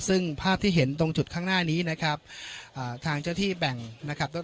ซึ่งภาพที่เห็นตรงจุดข้างหน้านี้นะครับทางเจ้าที่แบ่งนะครับ